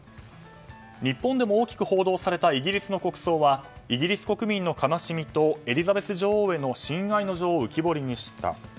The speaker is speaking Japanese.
日本でも大きく報道されたイギリスの国葬はイギリス国民の悲しみとエリザベス女王への親愛の情を浮き彫りにした。